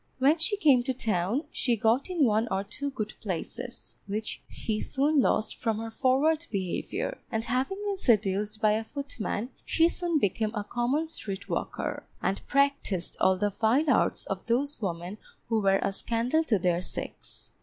When she came to town, she got in one or two good places, which she soon lost from her forward behaviour; and having been seduced by a footman, she soon became a common street walker, and practised all the vile arts of those women who were a scandal to their sex.